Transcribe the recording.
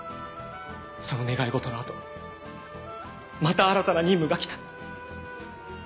その願いごとの後また新たな任務が来た。